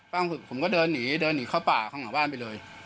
ผมก็เดินหนีเดินหนีเข้าป่าข้างหลังบ้านไปเลย